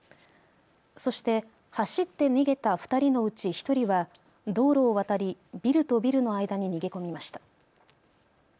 そして走って逃げた２人のうち１人は道路を渡りビルとビルの間に逃げ込みました。